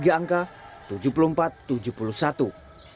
dan menangkan kemenangan dengan skor tujuh puluh empat tujuh puluh satu